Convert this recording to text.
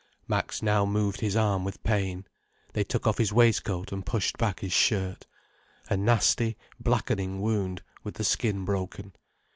Max now moved his arm with pain. They took off his waistcoat and pushed back his shirt. A nasty blackening wound, with the skin broken.